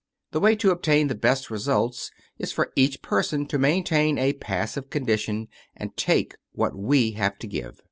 The way to obtain the best results is for each person to maintain a passive condition and take what we have to give.